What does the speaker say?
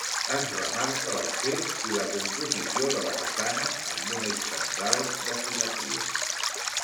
Es remarca l'accés i la composició de la façana amb un eix central de simetria.